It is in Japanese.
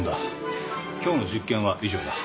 今日の実験は以上だ。